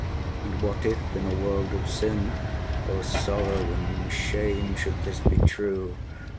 And what, if in a world of sin (O sorrow and shame should this be true!)